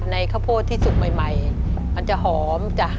ข้าวโพดที่สุกใหม่มันจะหอมจ้ะ